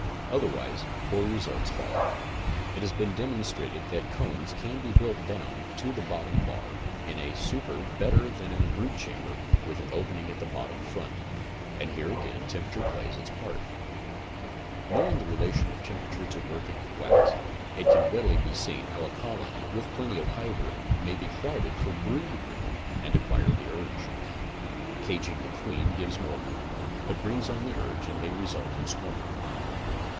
Otherwise poor results follow. It has been demonstrated that combs can be built down to the bottom 12 CONSTRUCTIVE BEEKEEPING bar in a super better than in a brood chamber with an opening at the bottom front, and here again temperature plays its part. Knowing the relation of temperature to working in wax, it can readily be seen how a colony, with plenty of hive room may be crowded for brood room and acquire the urge. Caging the queen gives more room, but brings on the urge and may result in swarming.